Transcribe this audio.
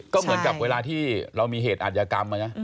ก็เกิดกับเวลาที่เรามีเหตุอาจยากรรม